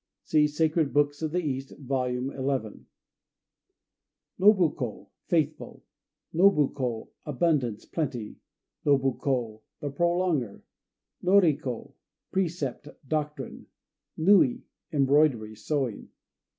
(See Sacred Books of the East, vol. xi.) Nobu ko "Faithful." Nobu ko "Abundance," plenty. Nobu ko "The Prolonger." Nori ko "Precept," doctrine. Nui "Embroidery," sewing.